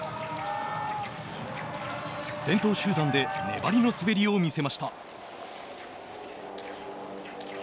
先頭集団で粘りの滑りを見せました。